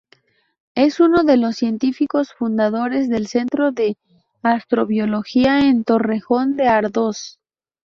Es uno de los científicos fundadores del Centro de Astrobiología en Torrejón de Ardoz.